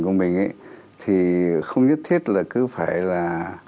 của mình thì không nhất thiết là cứ phải là